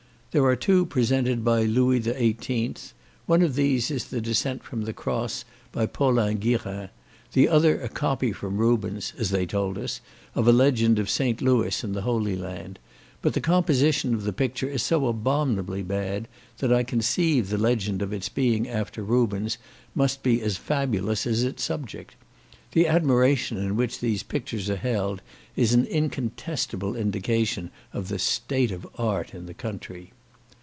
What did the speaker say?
There are two presented by Louis XVIII; one of these is the Descent from the Cross, by Paulin Guirin; the other a copy from Rubens, (as they told us) of a legend of St. Louis in the Holy Land; but the composition of the picture is so abominably bad, that I conceive the legend of its being after Rubens, must be as fabulous as its subject. The admiration in which these pictures are held, is an incontestable indication of the state of art in the country.